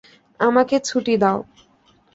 আমাকে ছুটি দাও।